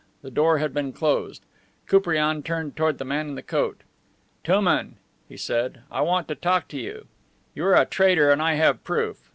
The door had been closed. Koupriane turned toward the man in the coat. "Touman," he said, "I want to talk to you. You are a traitor, and I have proof.